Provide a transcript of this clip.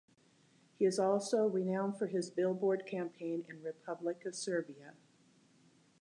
He is also renowned for his billboard campaign in Republic of Serbia.